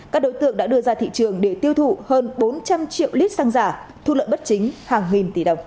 các đối tượng đã đưa ra thị trường để tiêu thụ hơn bốn trăm linh triệu lít xăng giả thu lợi bất chính hàng nghìn tỷ đồng